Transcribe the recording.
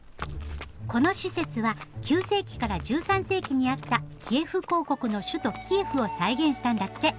この施設は９世紀から１３世紀にあった「キエフ公国」の首都キエフを再現したんだって。